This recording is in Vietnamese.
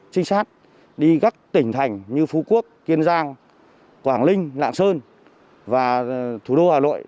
trinh sát đi các tỉnh thành như phú quốc kiên giang quảng linh lạng sơn và thủ đô hà nội